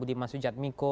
ada budiman sujadmiko